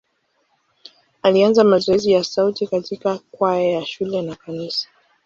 Alianza mazoezi ya sauti katika kwaya ya shule na kanisa.